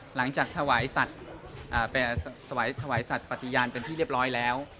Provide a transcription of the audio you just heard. หลังจากถวายสัตว์ปฏิญาณเป็นที่เรียบร้อยแล้ว